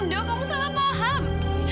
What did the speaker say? edo kamu salah paham